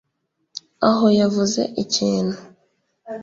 Aho yavuze ikintu